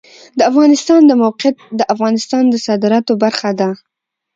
د افغانستان د موقعیت د افغانستان د صادراتو برخه ده.